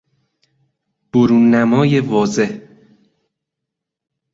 برون نمای واضح